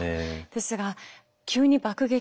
ですが急に爆撃。